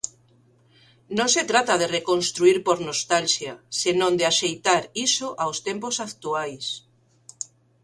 Non se trata de reconstruír por nostalxia, senón de axeitar iso aos tempos actuais.